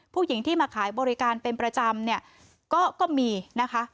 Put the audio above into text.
ผู้หญิงที่มาขายบริการเป็นประจำเนี่ยก็มีนะคะ